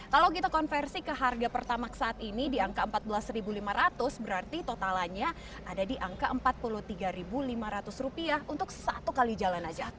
kalau kita konversi ke harga pertamak saat ini di angka rp empat belas lima ratus berarti totalannya ada di angka rp empat puluh tiga lima ratus untuk satu kali jalan saja